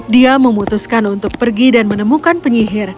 dia memutuskan untuk pergi dan menemukan penyihir